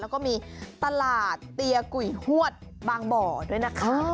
แล้วก็มีตลาดเตียกุยฮวดบางบ่อด้วยนะคะ